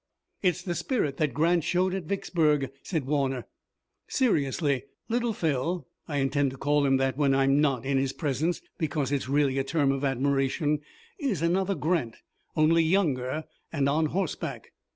"It's the spirit that Grant showed at Vicksburg," said Warner, seriously. "Little Phil I intend to call him that when I'm not in his presence, because it's really a term of admiration is another Grant, only younger and on horseback."